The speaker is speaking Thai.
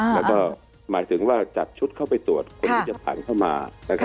แล้วก็หมายถึงว่าจัดชุดเข้าไปตรวจคนที่จะผ่านเข้ามา